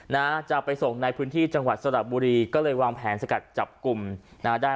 นะจะไปส่งในพื้นที่จังหวัดสระบุรีก็เลยวางแผนสกัดจับกลุ่มนะฮะได้